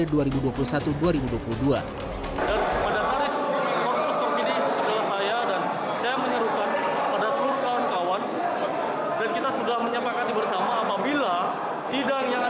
dan pada hari ini saya dan saya menyarukan pada semua kawan kawan dan kita sudah menyapakan